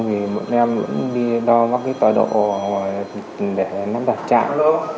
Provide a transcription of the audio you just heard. thì mỗi đêm cũng đi đo các tọa độ để đặt trạng